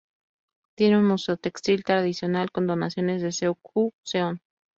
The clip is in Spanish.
Tiene un museo textil tradicional con donaciones de Seok Ju-seon.